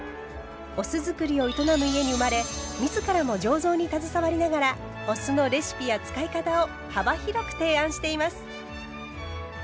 お酢造りを営む家に生まれ自らも醸造に携わりながらお酢のレシピや使い方を幅広く提案しています。